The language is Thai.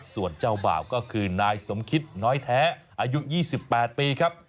ส่วนเจ้าบ่าวก็คือนายสมคิดน้อยแท้อายุ๒๘ปีครับ